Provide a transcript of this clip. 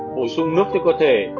bổ sung nước cho cơ thể